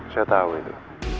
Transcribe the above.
saya tahu itu